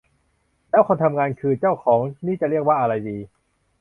แล้วคนทำงานคือเจ้าของ นี่จะเรียกว่าอะไรดี